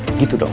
nah gitu dong